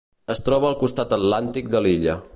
Es troba al costat atlàntic de l'illa.